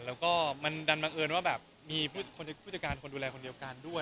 แล้วก็มันดันบังเอิญว่าแบบมีผู้จัดการคนดูแลคนเดียวกันด้วย